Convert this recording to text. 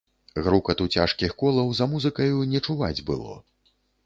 Грукату цяжкіх колаў за музыкаю не чуваць было.